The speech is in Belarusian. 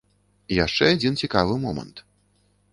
Яшчэ адзін цікавы момант.